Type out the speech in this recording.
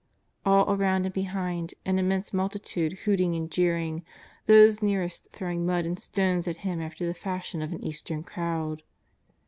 All around and behind, an immense multitude hooting and jeering, those near est throwing mud and stones at Him after the fashion of an Eastern crowd.